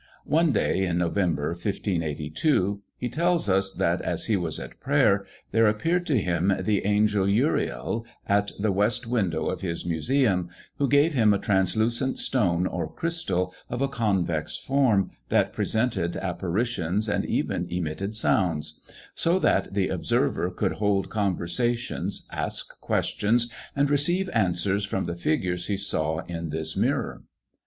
One day in November, 1582, he tells us that as he was at prayer, there appeared to him the angel Uriel at the west window of his museum, who gave him a translucent stone, or crystal, of a convex form, that presented apparitions, and even emitted sounds; so that the observer could hold conversations, ask questions, and receive answers from the figures he saw in this mirror.